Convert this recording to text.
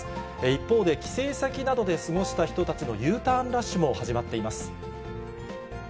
一方で、帰省先などで過ごした人たちのＵターンラッシュも始まっています。